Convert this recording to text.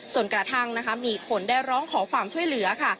จนกระทั่งนะคะมีคนได้ร้องขอความช่วยเหลือค่ะ